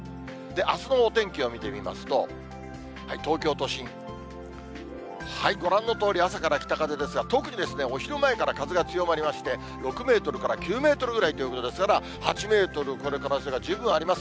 あすのお天気を見てみますと、東京都心、ご覧のとおり、朝から北風ですが、特にお昼前から風が強まりまして、６メートルから９メートルくらいということですから、８メートル超える可能性が十分あります。